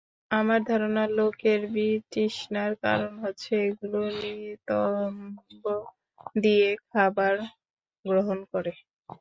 আমার ধারণা লোকের বিতৃষ্ণার কারণ হচ্ছে এগুলো নিতম্ব দিয়ে খাবার গ্রহণ করে।